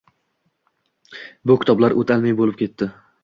Bu, kitoblar o‘ta ilmiy bo‘lib ketdi